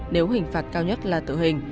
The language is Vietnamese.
nếu hình phạt cao nhất là tử hình